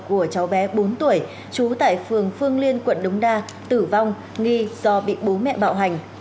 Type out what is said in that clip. của cháu bé bốn tuổi trú tại phường phương liên quận đống đa tử vong nghi do bị bố mẹ bạo hành